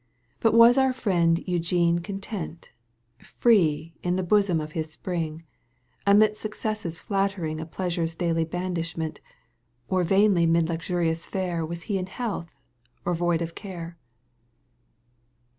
But was our Mend Eugene content, Free, in the blossom of his spring, '^, Amidst successes flattering ^■ And pleasure's daily blandishment, Or pjLnlj 'mid luxurious fare Was he in health and void of care